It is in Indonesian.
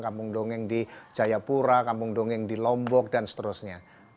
kampung dongeng di jayapura kampung dongeng di lombok dan seterusnya